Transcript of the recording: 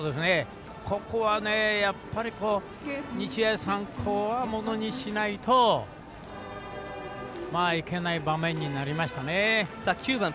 ここは日大三高はものにしないといけない場面になりましたね。